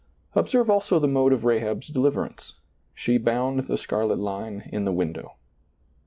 Observe also the mode of Rahab's deliverance — she bound the scarlet line in the window.